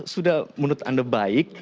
sudah menurut anda baik